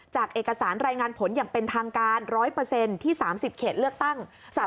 เอกสารรายงานผลอย่างเป็นทางการ๑๐๐ที่๓๐เขตเลือกตั้ง